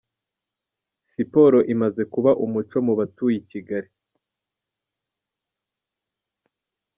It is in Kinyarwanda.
Siporo imaze kuba umuco mu batuye i Kigali.